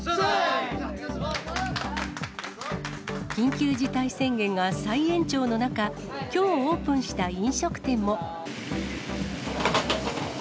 緊急事態宣言が再延長の中、きょうオープンした飲食店も。